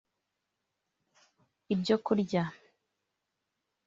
ibyo kurya